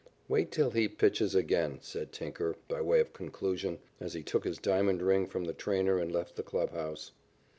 "Wait till he pitches again," said Tinker by way of conclusion, as he took his diamond ring from the trainer and left the clubhouse.